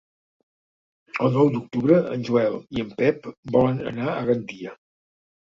El nou d'octubre en Joel i en Pep volen anar a Gandia.